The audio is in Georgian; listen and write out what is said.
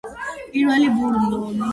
პირველი ბურბონი რომელიც ესპანეთში დაიბადა.